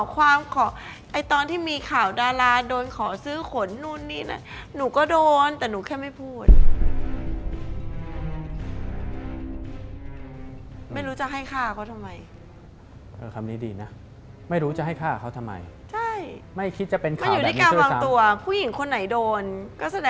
ค่ะค่ะค่ะค่ะค่ะค่ะค่ะค่ะค่ะค่ะค่ะค่ะค่ะค่ะค่ะค่ะค่ะค่ะค่ะค่ะค่ะค่ะค่ะค่ะค่ะค่ะค่ะค่ะค่ะค่ะค่ะค่ะค่ะค่ะค่ะค่ะค่ะ